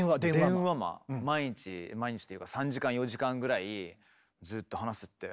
毎日毎日というか３時間４時間ぐらいずっと話すって。